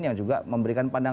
yang juga memberikan pandangan